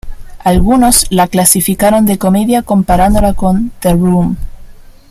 Algunos la clasificaron de comedia comparándola con The Room.